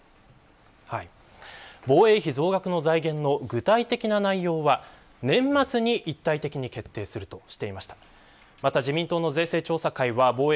岸田総理大臣は今月の８日に防衛費増額の財源の具体的な内容は年末に一体的に決定するとしていました。